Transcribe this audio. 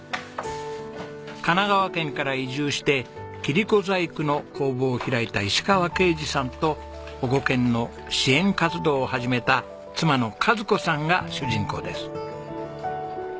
神奈川県から移住して切子細工の工房を開いた石川啓二さんと保護犬の支援活動を始めた妻の賀津子さんが主人公です。